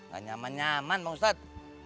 gak nyaman nyaman pak ustaz